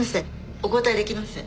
お答え出来ません。